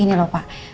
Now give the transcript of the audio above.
ini loh pak